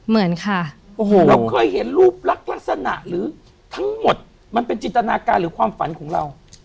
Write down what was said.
เราก็ได้เห็นรูปลักษณะหรือทั้งหมดมันเป็นจิตนาการหรือความฝันของเรา